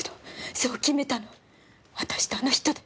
そう決めたの私とあの人で。